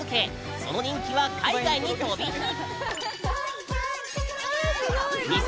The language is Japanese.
その人気は海外に飛び火！